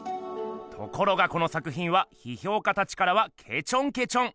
ところがこの作ひんはひひょうかたちからはけちょんけちょん。